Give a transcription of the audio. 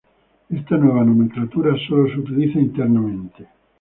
Esta nueva nomenclatura sólo se utiliza internamente.